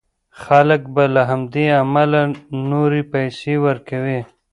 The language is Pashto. خلک به له همدې امله نورې پيسې ورکوي.